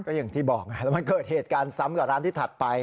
ก็อย่างที่บอกไงแล้วมันเกิดเหตุการณ์ซ้ำกับร้านที่ถัดไป